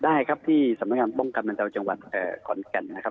ได้ครับที่สำนักงานป้องกับเมืองชาวจังหวัดขอนแก่น